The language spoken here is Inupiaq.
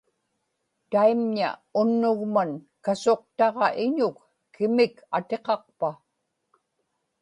taimña unnugman kasuqtaġa iñuk kimik atiqaqpa?